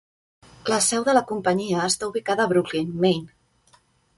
La seu de la companyia està ubicada a Brooklin, Maine.